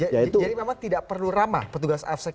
jadi pak pak tidak perlu ramah petugas afsec itu